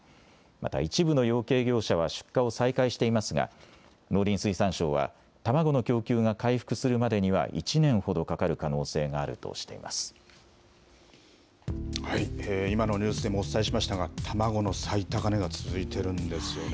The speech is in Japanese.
また一部の養鶏業者は出荷を再開していますが、農林水産省は、卵の供給が回復するまでには１年ほどかかる可能性があるとしてい今のニュースでもお伝えしましたが、卵の最高値が続いてるんですよね。